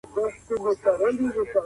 غریبان زموږ د ټولني یوه برخه ده.